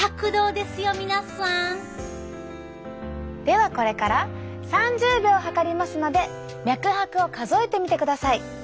ではこれから３０秒計りますので脈拍を数えてみてください。